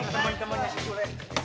temen temennya si sulet